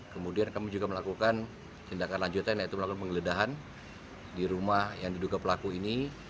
kemudian kami juga melakukan tindakan lanjutan yaitu melakukan penggeledahan di rumah yang diduga pelaku ini